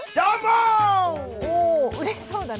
うれしそうだね。